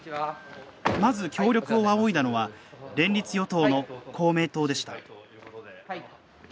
まず、協力を仰いだのは連立与党の公明党でした。